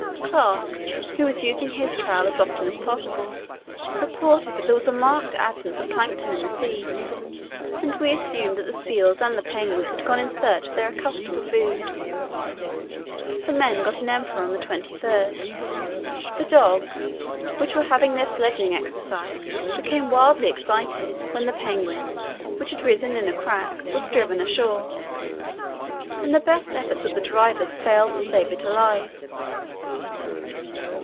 Clark, who was using his trawl as often as possible, reported that there was a marked absence of plankton in the sea, and we assumed that the seals and the penguins had gone in search of their accustomed food. The men got an emperor on the 23rd. The dogs, which were having their sledging exercise, became wildly excited when the penguin, which had risen in a crack, was driven ashore, and the best efforts of the drivers failed to save it alive.